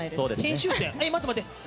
待って待って。